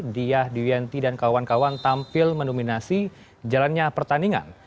dia diwianti dan kawan kawan tampil mendominasi jalannya pertandingan